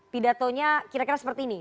pidatonya kira kira seperti ini